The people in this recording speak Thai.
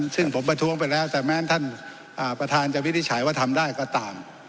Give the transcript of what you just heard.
ซึ่งผมประท้วงไปแล้วแต่แม้ท่านประธานจะวินิจฉัยว่าทำได้ก็ตาม